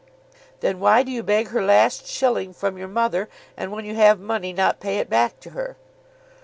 "Then why do you beg her last shilling from your mother, and when you have money not pay it back to her?"